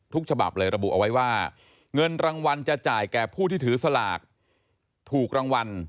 ฉบับเลยระบุเอาไว้ว่าเงินรางวัลจะจ่ายแก่ผู้ที่ถือสลากถูกรางวัล